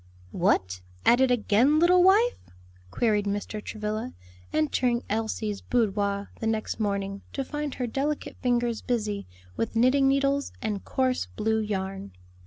"What! at it again, little wife?" queried Mr. Travilla, entering Elsie's boudoir the next morning, to find her delicate fingers busy with knitting needles and coarse blue yarn.